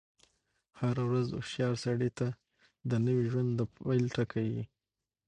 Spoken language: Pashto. هره ورځ هوښیار سړي ته د نوی ژوند د پيل ټکی يي.